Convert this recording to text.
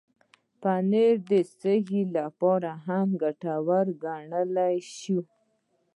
پنېر د سږو لپاره هم ګټور ګڼل شوی.